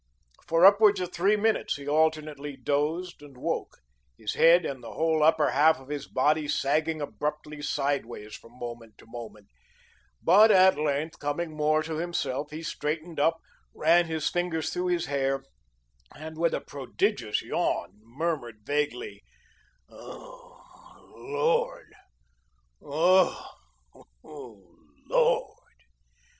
For upwards of three minutes he alternately dozed and woke, his head and the whole upper half of his body sagging abruptly sideways from moment to moment. But at length, coming more to himself, he straightened up, ran his fingers through his hair, and with a prodigious yawn, murmured vaguely: "Oh, Lord! Oh h, LORD!"